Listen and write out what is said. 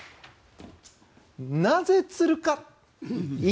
「なぜつるか一